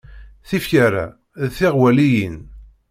Tifyar-a d tiɣwaliyin.